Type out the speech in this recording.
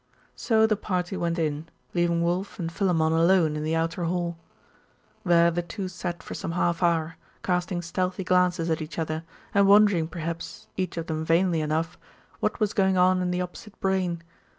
So the party went in, leaving Wulf and Philammon alone in the outer hall. There the two sat for some half hour, casting stealthy glances at each other, and wondering perhaps, each of them vainly enough, what was going on in the opposite brain.